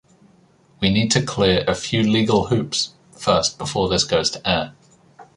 We need to clear a few legal hoops first before this goes to air.